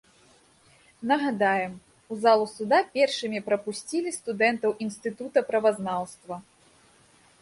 Нагадаем, у залу суда першымі прапусцілі студэнтаў інстытута правазнаўства.